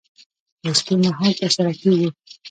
د شپې مهال ترسره کېږي.